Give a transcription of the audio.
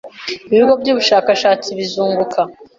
ibigo by’ubushakashatsi bizunguka